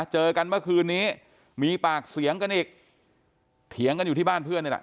เจอกันเมื่อคืนนี้มีปากเสียงกันอีกเถียงกันอยู่ที่บ้านเพื่อนนี่แหละ